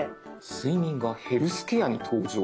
「『睡眠』が『ヘルスケア』に登場」。